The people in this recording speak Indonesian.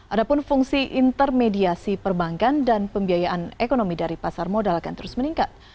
ada pun fungsi intermediasi perbankan dan pembiayaan ekonomi dari pasar modal akan terus meningkat